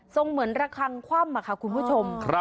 เหมือนระคังคว่ำค่ะคุณผู้ชม